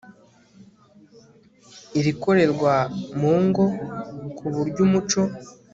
irikorerwa mungo ku buryo umuco